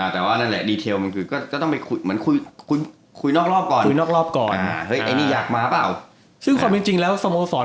แต่ว่าในรูปแบบของเกมก็ต้องนำเสนอแบบแบบฟอร์มอล